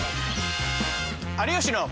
「有吉の」。